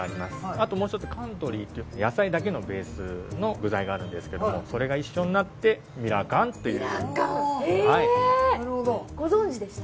あともう一つカントリーっていう野菜だけのベースの具材があるんですけどもそれが一緒になってミラカンというミラカンへえなるほどご存じでした？